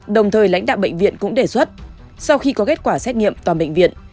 đồng thời lãnh đạo bệnh viện cũng đề xuất sau khi có kết quả xét nghiệm toàn bệnh viện